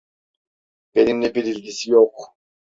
Benimle bir ilgisi yok.